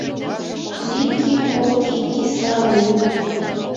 Лики-коки киса лу.